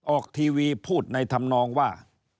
ออกทีวีพูดในธรรมนองว่า